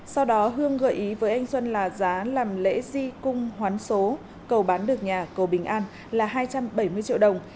sau đó hương gợi ý với anh xuân là giá làm lễ di cung hoán số cầu bán được nhà cầu bình an là hai trăm bảy mươi triệu đồng